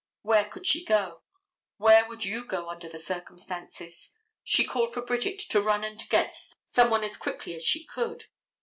Where could she go? Where would you go under the circumstances? She called for Bridget to run and get some one as quickly as she could.